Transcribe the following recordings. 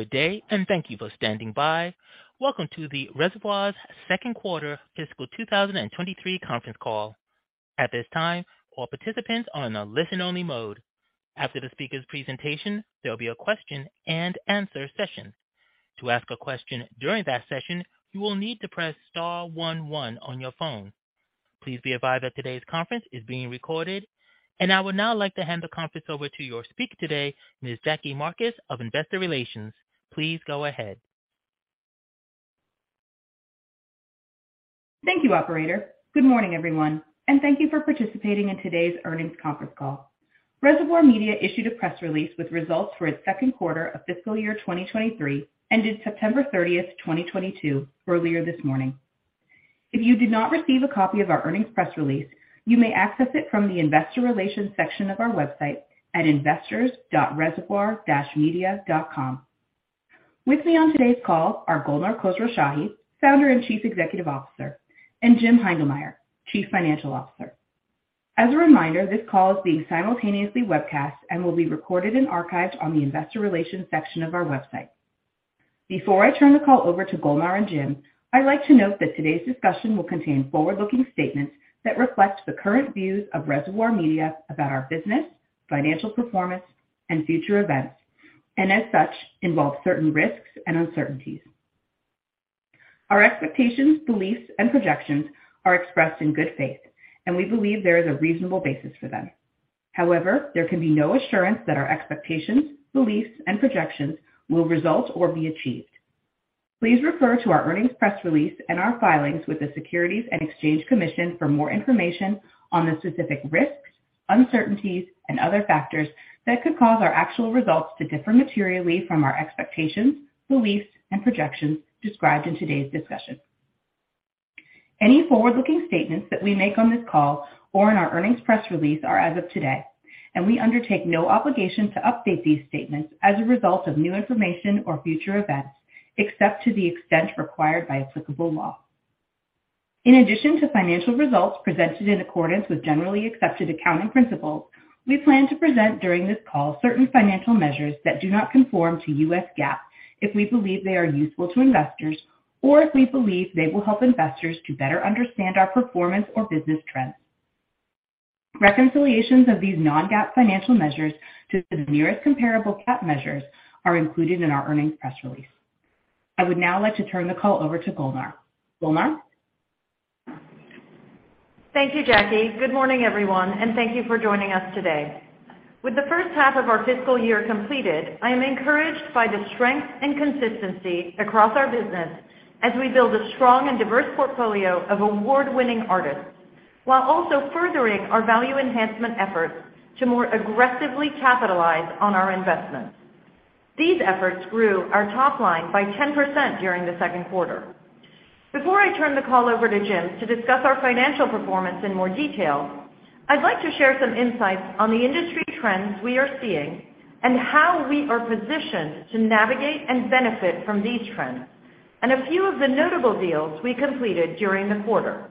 Good day, and thank you for standing by. Welcome to the Reservoir's second quarter fiscal 2023 conference call. At this time, all participants are in a listen-only mode. After the speaker's presentation, there'll be a question and answer session. To ask a question during that session, you will need to press star 11 on your phone. Please be advised that today's conference is being recorded, and I would now like to hand the conference over to your speaker today, Ms. Jackie Marcus of Investor Relations. Please go ahead. Thank you, operator. Good morning, everyone, and thank you for participating in today's earnings conference call. Reservoir Media issued a press release with results for its second quarter of fiscal year 2023, ended September 30th, 2022, earlier this morning. If you did not receive a copy of our earnings press release, you may access it from the investor relations section of our website at investors.reservoir-media.com. With me on today's call are Golnar Khosrowshahi, founder and chief executive officer, and Jim Heindlmeyer, chief financial officer. As a reminder, this call is being simultaneously webcast and will be recorded and archived on the investor relations section of our website. Before I turn the call over to Golnar and Jim, I'd like to note that today's discussion will contain forward-looking statements that reflect the current views of Reservoir Media about our business, financial performance, and future events, and as such, involve certain risks and uncertainties. Our expectations, beliefs, and projections are expressed in good faith, and we believe there is a reasonable basis for them. However, there can be no assurance that our expectations, beliefs, and projections will result or be achieved. Please refer to our earnings press release and our filings with the Securities and Exchange Commission for more information on the specific risks, uncertainties, and other factors that could cause our actual results to differ materially from our expectations, beliefs, and projections described in today's discussion. Any forward-looking statements that we make on this call or in our earnings press release are as of today, and we undertake no obligation to update these statements as a result of new information or future events, except to the extent required by applicable law. In addition to financial results presented in accordance with generally accepted accounting principles, we plan to present during this call certain financial measures that do not conform to U.S. GAAP if we believe they are useful to investors or if we believe they will help investors to better understand our performance or business trends. Reconciliations of these non-GAAP financial measures to the nearest comparable GAAP measures are included in our earnings press release. I would now like to turn the call over to Golnar. Golnar? Thank you, Jackie. Good morning, everyone, and thank you for joining us today. With the first half of our fiscal year completed, I am encouraged by the strength and consistency across our business as we build a strong and diverse portfolio of award-winning artists, while also furthering our value enhancement efforts to more aggressively capitalize on our investments. These efforts grew our top line by 10% during the second quarter. Before I turn the call over to Jim to discuss our financial performance in more detail, I'd like to share some insights on the industry trends we are seeing and how we are positioned to navigate and benefit from these trends, and a few of the notable deals we completed during the quarter.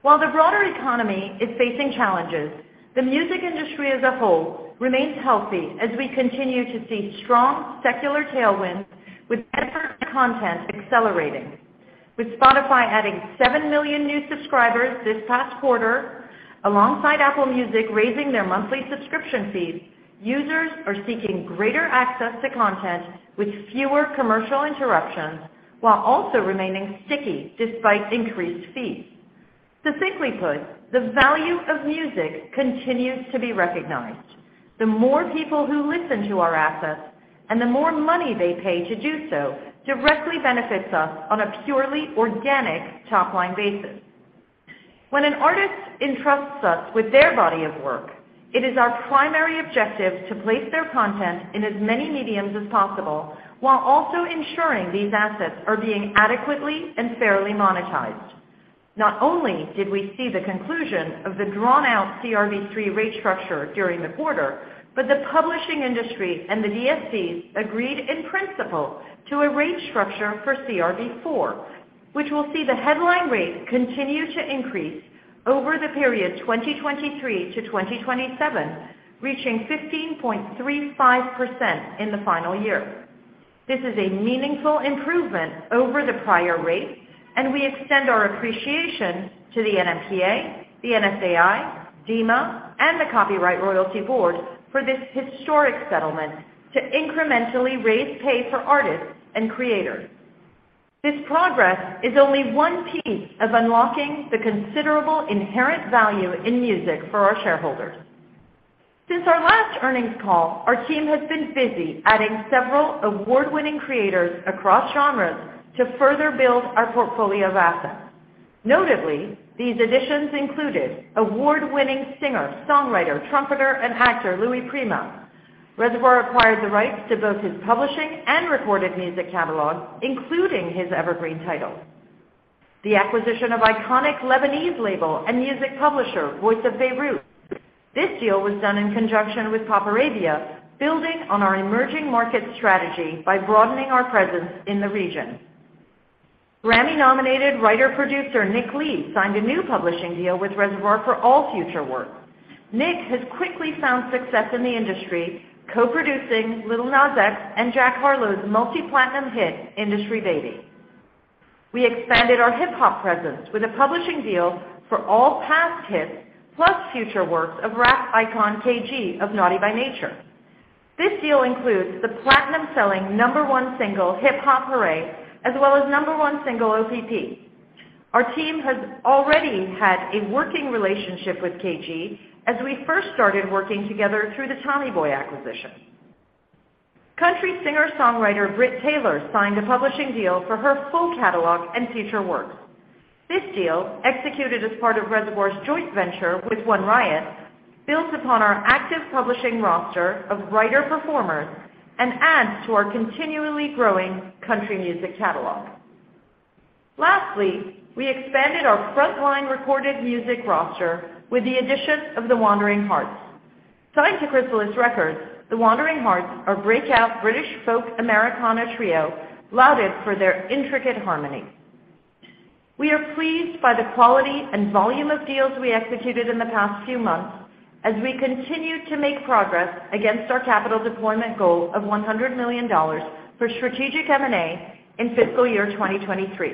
While the broader economy is facing challenges, the music industry as a whole remains healthy as we continue to see strong secular tailwinds with ever content accelerating. With Spotify adding 7 million new subscribers this past quarter, alongside Apple Music raising their monthly subscription fees, users are seeking greater access to content with fewer commercial interruptions, while also remaining sticky despite increased fees. Succinctly put, the value of music continues to be recognized. The more people who listen to our assets and the more money they pay to do so directly benefits us on a purely organic top-line basis. When an artist entrusts us with their body of work, it is our primary objective to place their content in as many mediums as possible while also ensuring these assets are being adequately and fairly monetized. Not only did we see the conclusion of the drawn-out CRB3 rate structure during the quarter, but the publishing industry and the DSPs agreed in principle to a rate structure for CRB4, which will see the headline rate continue to increase over the period 2023 to 2027, reaching 15.35% in the final year. This is a meaningful improvement over the prior rates, and we extend our appreciation to the NMPA, the NSAI, DiMA, and the Copyright Royalty Board for this historic settlement to incrementally raise pay for artists and creators. This progress is only one piece of unlocking the considerable inherent value in music for our shareholders. Since our last earnings call, our team has been busy adding several award-winning creators across genres to further build our portfolio of assets. Notably, these additions included award-winning singer, songwriter, trumpeter, and actor Louis Prima. Reservoir acquired the rights to both his publishing and recorded music catalog, including his evergreen title. The acquisition of iconic Lebanese label and music publisher, Voice of Beirut. This deal was done in conjunction with PopArabia, building on our emerging market strategy by broadening our presence in the region. Grammy-nominated writer-producer Nick Lee signed a new publishing deal with Reservoir for all future work. Nick has quickly found success in the industry, co-producing Lil Nas X and Jack Harlow's multi-platinum hit, "INDUSTRY BABY". We expanded our hip-hop presence with a publishing deal for all past hits, plus future works of rap icon KG of Naughty by Nature. This deal includes the platinum-selling number one single, "Hip Hop Hooray", as well as number one single, "O.P.P.". Our team has already had a working relationship with KG as we first started working together through the Tommy Boy acquisition. Country singer-songwriter Brit Taylor signed a publishing deal for her full catalog and future works. This deal, executed as part of Reservoir's joint venture with One Riot, builds upon our active publishing roster of writer-performers and adds to our continually growing country music catalog. Lastly, we expanded our frontline recorded music roster with the addition of The Wandering Hearts. Signed to Chrysalis Records, The Wandering Hearts are breakout British folk Americana trio lauded for their intricate harmony. We are pleased by the quality and volume of deals we executed in the past few months as we continue to make progress against our capital deployment goal of $100 million for strategic M&A in fiscal year 2023.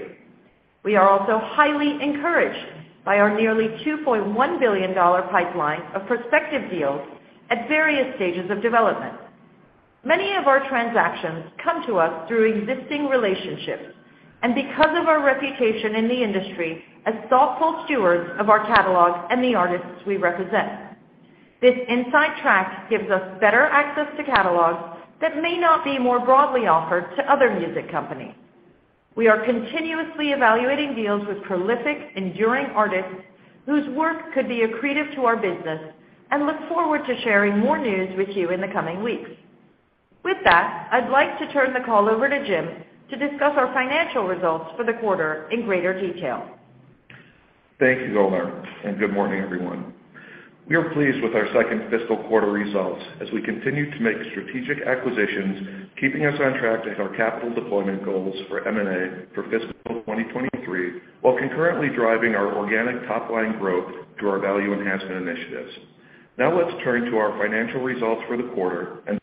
We are also highly encouraged by our nearly $2.1 billion pipeline of prospective deals at various stages of development. Many of our transactions come to us through existing relationships and because of our reputation in the industry as thoughtful stewards of our catalog and the artists we represent. This inside track gives us better access to catalogs that may not be more broadly offered to other music companies. We are continuously evaluating deals with prolific, enduring artists whose work could be accretive to our business and look forward to sharing more news with you in the coming weeks. With that, I'd like to turn the call over to Jim to discuss our financial results for the quarter in greater detail. Thank you, Golnar, and good morning, everyone. We are pleased with our second fiscal quarter results as we continue to make strategic acquisitions, keeping us on track to hit our capital deployment goals for M&A for fiscal 2023, while concurrently driving our organic top-line growth through our value enhancement initiatives. Now let's turn to our financial results for the quarter and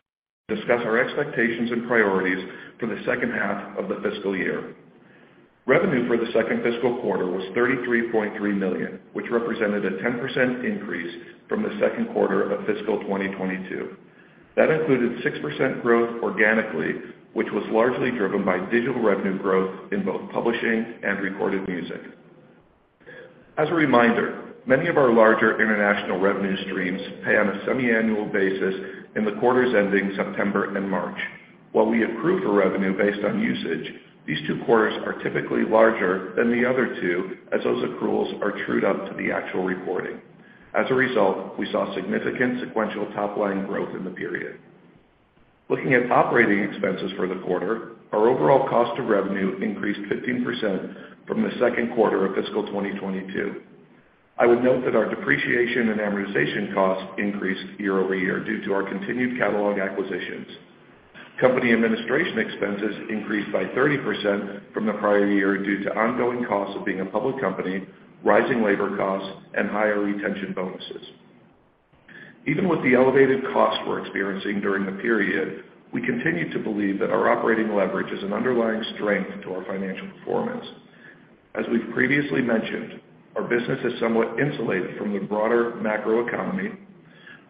discuss our expectations and priorities for the second half of the fiscal year. Revenue for the second fiscal quarter was $33.3 million, which represented a 10% increase from the second quarter of fiscal 2022. That included 6% growth organically, which was largely driven by digital revenue growth in both publishing and recorded music. As a reminder, many of our larger international revenue streams pay on a semi-annual basis in the quarters ending September and March. While we accrue for revenue based on usage, these two quarters are typically larger than the other two as those accruals are trued up to the actual repording. As a result, we saw significant sequential top-line growth in the period. Looking at operating expenses for the quarter, our overall cost of revenue increased 15% from the second quarter of fiscal 2022. I would note that our depreciation and amortization costs increased year-over-year due to our continued catalog acquisitions. Company administration expenses increased by 30% from the prior year due to ongoing costs of being a public company, rising labor costs, and higher retention bonuses. Even with the elevated costs we're experiencing during the period, we continue to believe that our operating leverage is an underlying strength to our financial performance. As we've previously mentioned, our business is somewhat insulated from the broader macroeconomy.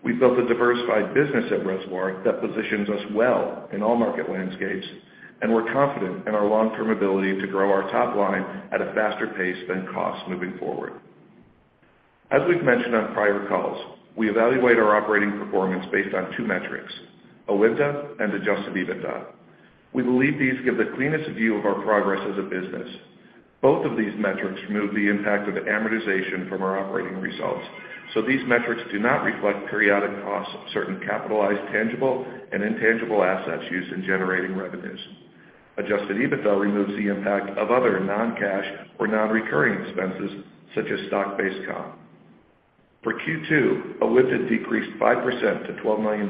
We've built a diversified business at Reservoir that positions us well in all market landscapes, and we're confident in our long-term ability to grow our top line at a faster pace than costs moving forward. As we've mentioned on prior calls, we evaluate our operating performance based on two metrics, OIBDA and adjusted EBITDA. We believe these give the cleanest view of our progress as a business. Both of these metrics remove the impact of amortization from our operating results. These metrics do not reflect periodic costs of certain capitalized tangible and intangible assets used in generating revenues. Adjusted EBITDA removes the impact of other non-cash or non-recurring expenses, such as stock-based comp. For Q2, OIBDA decreased 5% to $12 million,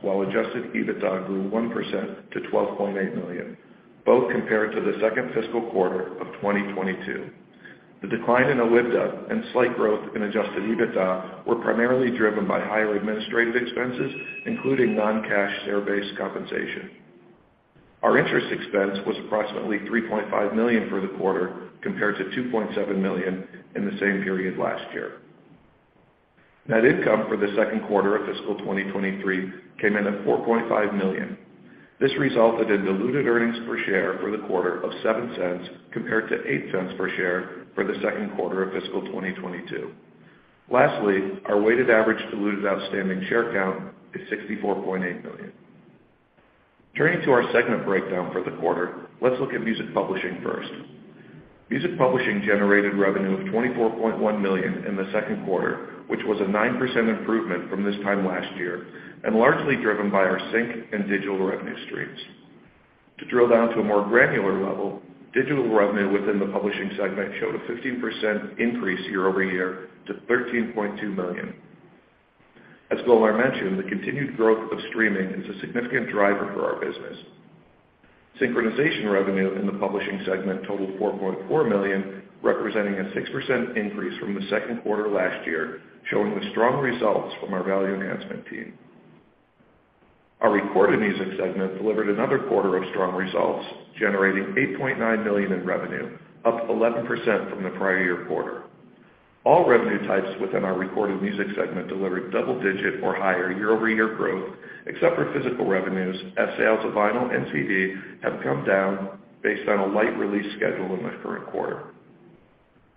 while adjusted EBITDA grew 1% to $12.8 million, both compared to the second fiscal quarter of 2022. The decline in OIBDA and slight growth in adjusted EBITDA were primarily driven by higher administrative expenses, including non-cash share-based compensation. Our interest expense was approximately $3.5 million for the quarter compared to $2.7 million in the same period last year. Net income for the second quarter of fiscal 2023 came in at $4.5 million. This resulted in diluted earnings per share for the quarter of $0.07 compared to $0.08 per share for the second quarter of fiscal 2022. Lastly, our weighted average diluted outstanding share count is 64.8 million. Turning to our segment breakdown for the quarter, let's look at music publishing first. Music publishing generated revenue of $24.1 million in the second quarter, which was a 9% improvement from this time last year, and largely driven by our sync and digital revenue streams. To drill down to a more granular level, digital revenue within the publishing segment showed a 15% increase year over year to $13.2 million. As Golnar mentioned, the continued growth of streaming is a significant driver for our business. Synchronization revenue in the publishing segment totaled $4.4 million, representing a 6% increase from the second quarter last year, showing the strong results from our value enhancement team. Our recorded music segment delivered another quarter of strong results, generating $8.9 million in revenue, up 11% from the prior year quarter. All revenue types within our recorded music segment delivered double-digit or higher year-over-year growth, except for physical revenues, as sales of vinyl and CD have come down based on a light release schedule in the current quarter.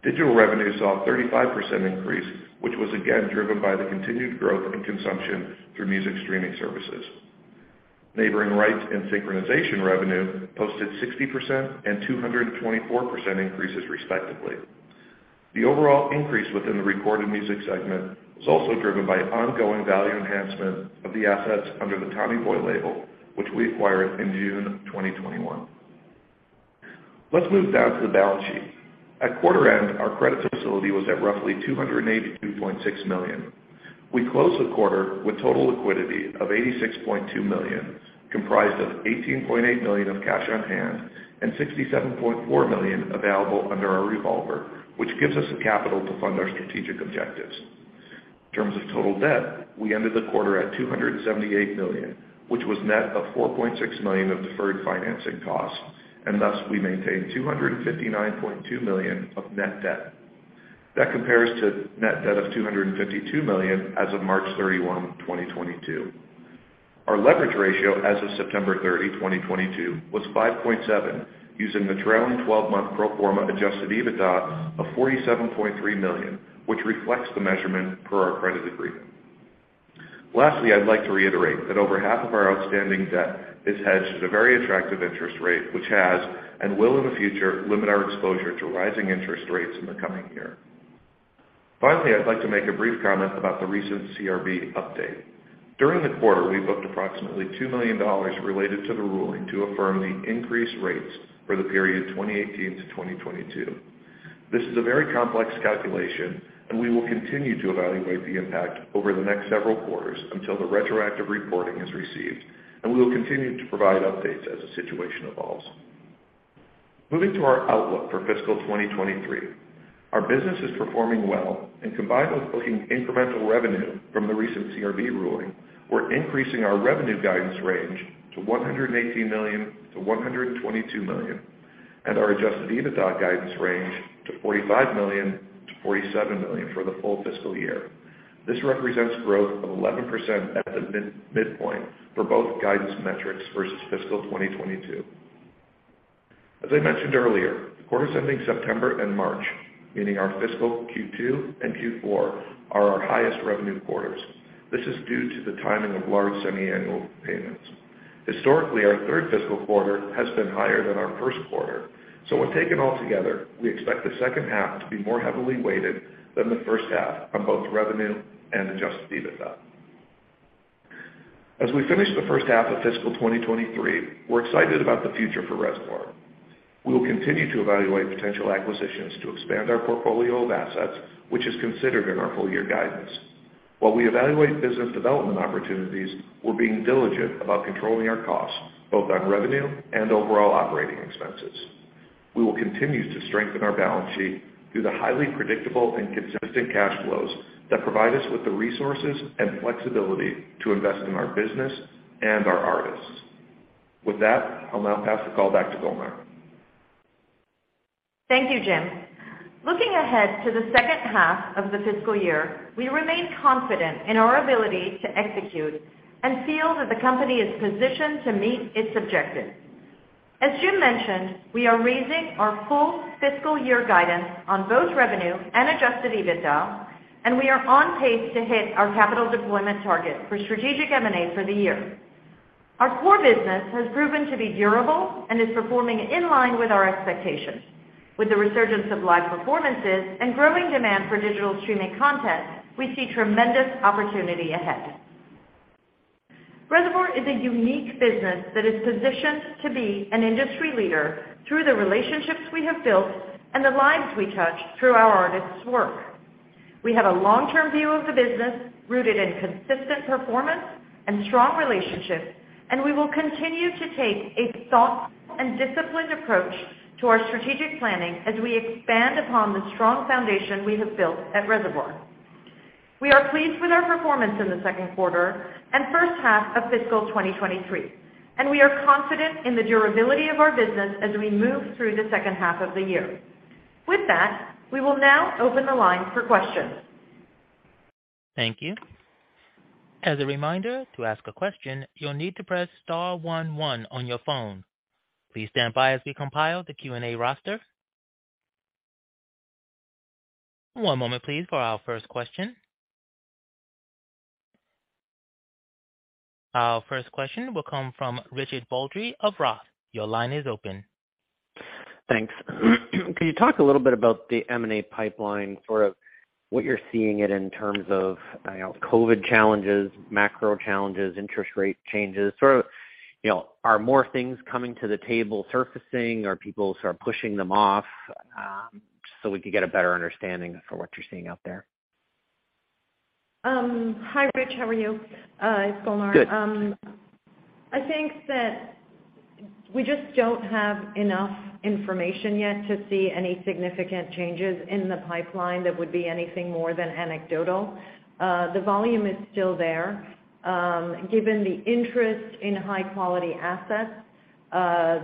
Digital revenue saw a 35% increase, which was again driven by the continued growth in consumption through music streaming services. Neighboring rights and synchronization revenue posted 60% and 224% increases respectively. The overall increase within the recorded music segment was also driven by ongoing value enhancement of the assets under the Tommy Boy label, which we acquired in June 2021. Let's move down to the balance sheet. At quarter end, our credit facility was at roughly $282.6 million. We closed the quarter with total liquidity of $86.2 million, comprised of $18.8 million of cash on hand and $67.4 million available under our revolver, which gives us the capital to fund our strategic objectives. In terms of total debt, we ended the quarter at $278 million, which was net of $4.6 million of deferred financing costs, and thus we maintained $259.2 million of net debt. That compares to net debt of $252 million as of March 31, 2022. Our leverage ratio as of September 30, 2022, was 5.7, using the trailing 12-month pro forma adjusted EBITDA of $47.3 million, which reflects the measurement per our credit agreement. Lastly, I'd like to reiterate that over half of our outstanding debt is hedged at a very attractive interest rate, which has and will in the future limit our exposure to rising interest rates in the coming year. Finally, I'd like to make a brief comment about the recent CRB update. During the quarter, we booked approximately $2 million related to the ruling to affirm the increased rates for the period 2018 to 2022. This is a very complex calculation, and we will continue to evaluate the impact over the next several quarters until the retroactive reporting is received, and we will continue to provide updates as the situation evolves. Moving to our outlook for fiscal 2023. Our business is performing well and combined with booking incremental revenue from the recent CRB ruling, we're increasing our revenue guidance range to $118 million-$122 million, and our adjusted EBITDA guidance range to $45 million-$47 million for the full fiscal year. This represents growth of 11% at the midpoint for both guidance metrics versus fiscal 2022. As I mentioned earlier, quarters ending September and March, meaning our fiscal Q2 and Q4, are our highest revenue quarters. This is due to the timing of large semiannual payments. Historically, our third fiscal quarter has been higher than our first quarter. When taken all together, we expect the second half to be more heavily weighted than the first half on both revenue and adjusted EBITDA. As we finish the first half of fiscal 2023, we're excited about the future for Reservoir. We will continue to evaluate potential acquisitions to expand our portfolio of assets, which is considered in our full year guidance. While we evaluate business development opportunities, we're being diligent about controlling our costs, both on revenue and overall operating expenses. We will continue to strengthen our balance sheet through the highly predictable and consistent cash flows that provide us with the resources and flexibility to invest in our business and our artists. With that, I'll now pass the call back to Golnar. Thank you, Jim. Looking ahead to the second half of the fiscal year, we remain confident in our ability to execute and feel that the company is positioned to meet its objectives. As Jim mentioned, we are raising our full fiscal year guidance on both revenue and adjusted EBITDA, and we are on pace to hit our capital deployment target for strategic M&A for the year. Our core business has proven to be durable and is performing in line with our expectations. With the resurgence of live performances and growing demand for digital streaming content, we see tremendous opportunity ahead. Reservoir is a unique business that is positioned to be an industry leader through the relationships we have built and the lives we touch through our artists' work. We have a long-term view of the business rooted in consistent performance and strong relationships. We will continue to take a thoughtful and disciplined approach to our strategic planning as we expand upon the strong foundation we have built at Reservoir. We are pleased with our performance in the second quarter and first half of fiscal 2023. We are confident in the durability of our business as we move through the second half of the year. With that, we will now open the line for questions. Thank you. As a reminder, to ask a question, you'll need to press *11 on your phone. Please stand by as we compile the Q&A roster. One moment please for our first question. Our first question will come from Richard Baldry of Roth. Your line is open. Thanks. Could you talk a little bit about the M&A pipeline, what you're seeing it in terms of COVID challenges, macro challenges, interest rate changes? Are more things coming to the table surfacing? Are people sort of pushing them off? Just so we could get a better understanding for what you're seeing out there. Hi, Rich. How are you? It's Golnar. Good. I think that we just don't have enough information yet to see any significant changes in the pipeline that would be anything more than anecdotal. The volume is still there. Given the interest in high-quality assets,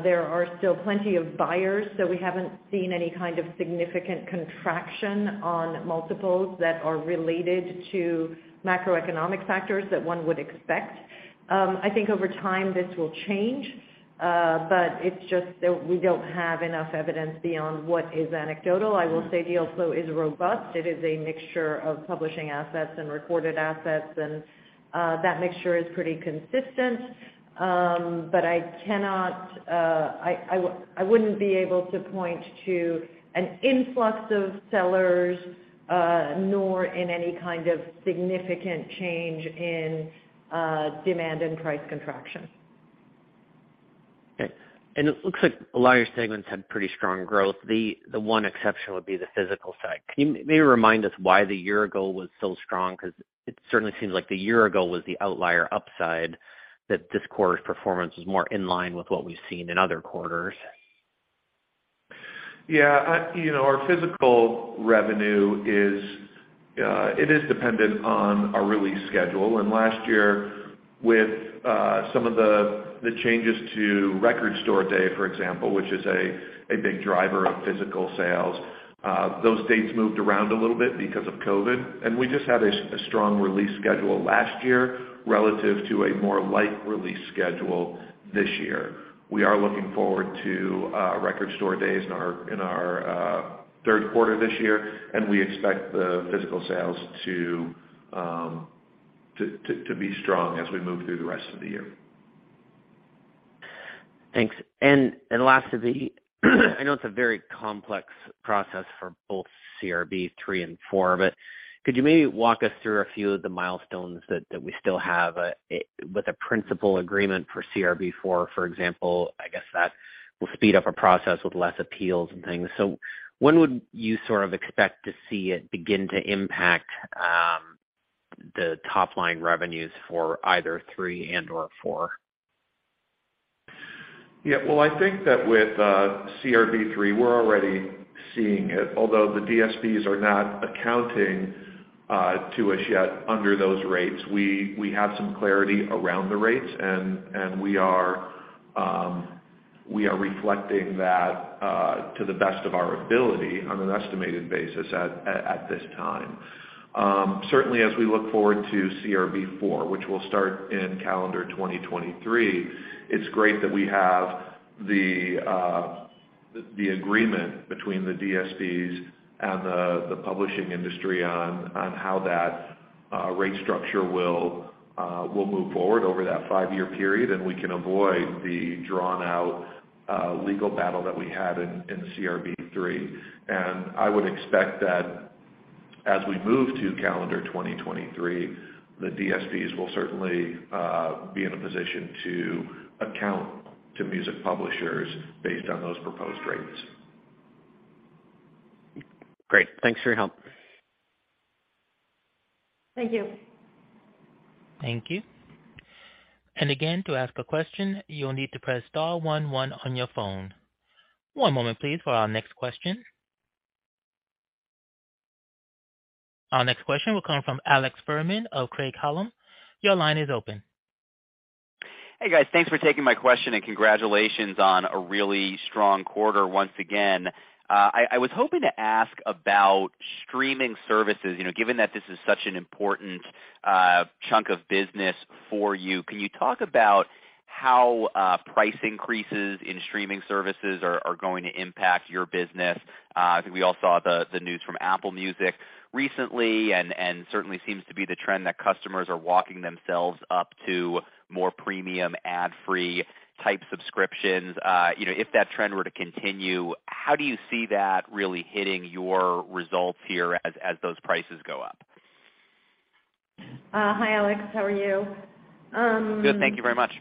there are still plenty of buyers, so we haven't seen any kind of significant contraction on multiples that are related to macroeconomic factors that one would expect. I think over time this will change, but it's just that we don't have enough evidence beyond what is anecdotal. I will say deal flow is robust. It is a mixture of publishing assets and recorded assets, and that mixture is pretty consistent. I wouldn't be able to point to an influx of sellers, nor in any kind of significant change in demand and price contraction. Okay. It looks like a lot of your segments had pretty strong growth. The one exception would be the physical side. Can you maybe remind us why the year ago was so strong? It certainly seems like the year ago was the outlier upside, that this quarter's performance was more in line with what we've seen in other quarters. Yeah. Our physical revenue is dependent on our release schedule. Last year, with some of the changes to Record Store Day, for example, which is a big driver of physical sales, those dates moved around a little bit because of COVID, and we just had a strong release schedule last year relative to a more light release schedule this year. We are looking forward to Record Store Days in our third quarter this year, and we expect the physical sales to be strong as we move through the rest of the year. Thanks. Lastly, I know it's a very complex process for both CRB3 and CRB4, but could you maybe walk us through a few of the milestones that we still have with a principal agreement for CRB4, for example, I guess that will speed up a process with less appeals and things. When would you sort of expect to see it begin to impact the top-line revenues for either 3 and/or 4? Well, I think that with CRB3, we're already seeing it, although the DSPs are not accounting to us yet, under those rates. We have some clarity around the rates, and we are reflecting that to the best of our ability on an estimated basis at this time. Certainly, as we look forward to CRB4, which will start in calendar 2023, it's great that we have the agreement between the DSPs and the publishing industry on how that rate structure will move forward over that five-year period, and we can avoid the drawn-out legal battle that we had in CRB3. I would expect that as we move to calendar 2023, the DSPs will certainly be in a position to account to music publishers based on those proposed rates. Great. Thanks for your help. Thank you. Thank you. Again, to ask a question, you will need to press star one one on your phone. One moment please for our next question. Our next question will come from Alex Fuhrman of Craig-Hallum. Your line is open. Hey, guys. Thanks for taking my question. Congratulations on a really strong quarter once again. I was hoping to ask about streaming services. Given that this is such an important chunk of business for you, can you talk about how price increases in streaming services are going to impact your business? I think we all saw the news from Apple Music recently. Certainly seems to be the trend that customers are locking themselves up to more premium ad-free type subscriptions. If that trend were to continue, how do you see that really hitting your results here as those prices go up? Hi, Alex. How are you? Good. Thank you very much.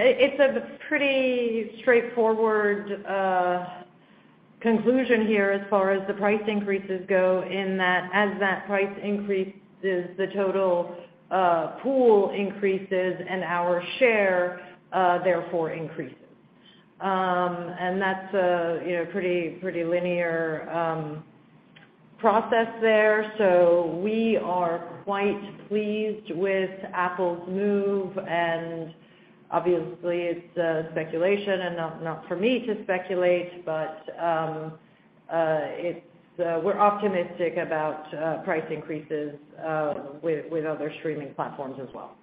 It's a pretty straightforward conclusion here as far as the price increases go in that as that price increases, the total pool increases. Our share therefore increases. That's a pretty linear process there. We are quite pleased with Apple's move. Obviously, it's speculation and not for me to speculate, but we're optimistic about price increases with other streaming platforms as well.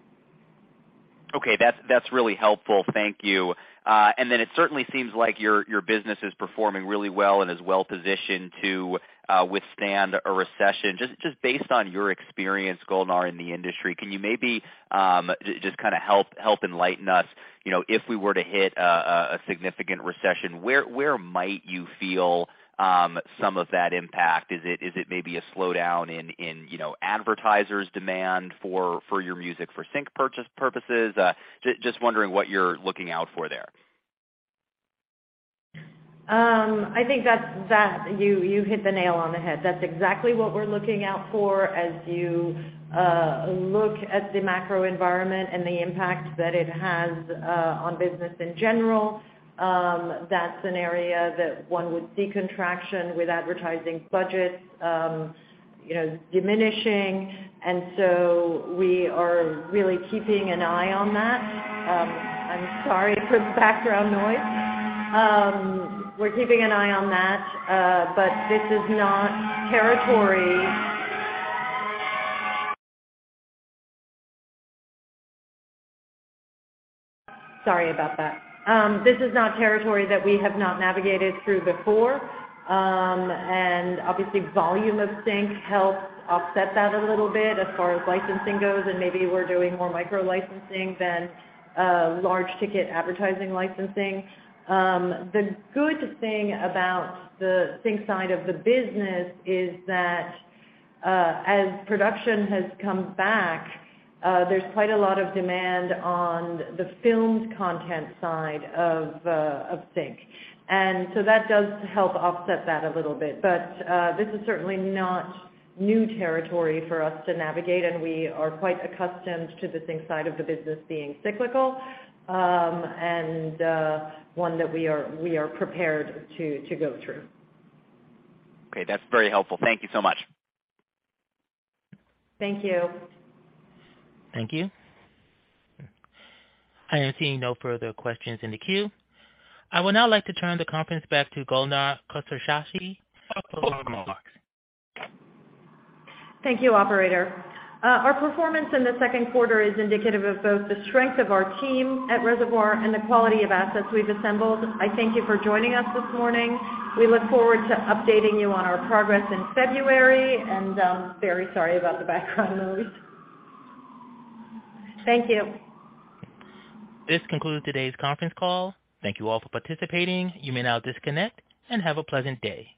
Okay. That's really helpful. Thank you. It certainly seems like your business is performing really well and is well-positioned to withstand a recession. Just based on your experience, Golnar, in the industry, can you maybe just kind of help enlighten us if we were to hit a significant recession, where might you feel some of that impact? Is it maybe a slowdown in advertisers' demand for your music for sync purposes? Just wondering what you're looking out for there. I think you hit the nail on the head. That's exactly what we're looking out for. As you look at the macro environment and the impact that it has on business in general, that's an area that one would see contraction with advertising budgets diminishing. We are really keeping an eye on that. I'm sorry for the background noise. We're keeping an eye on that, but this is not territory that we have not navigated through before. Volume of sync helps offset that a little bit as far as licensing goes, and maybe we're doing more micro-licensing than large ticket advertising licensing. The good thing about the sync side of the business is that as production has come back, there's quite a lot of demand on the films content side of sync. That does help offset that a little bit. This is certainly not new territory for us to navigate, and we are quite accustomed to the sync side of the business being cyclical, and one that we are prepared to go through. Okay. That's very helpful. Thank you so much. Thank you. Thank you. I am seeing no further questions in the queue. I would now like to turn the conference back to Golnar Khosrowshahi. Thank you, operator. Our performance in the second quarter is indicative of both the strength of our team at Reservoir and the quality of assets we've assembled. I thank you for joining us this morning. We look forward to updating you on our progress in February, and very sorry about the background noise. Thank you. This concludes today's conference call. Thank you all for participating. You may now disconnect and have a pleasant day.